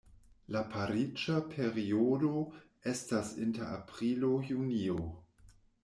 La pariĝa periodo estas inter aprilo-junio.